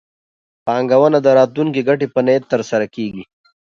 پانګونه د راتلونکي ګټې په نیت ترسره کېږي.